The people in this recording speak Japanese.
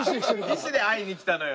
意思で会いに来たのよ。